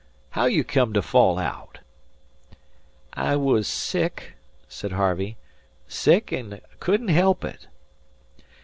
How you come to fall out?" "I was sick," said Harvey; "sick, and couldn't help it."